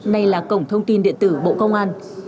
nay là cổng thông tin điện tử bộ công an